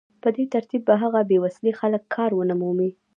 په دې ترتیب به هغه بې وسيلې خلک کار ونه مومي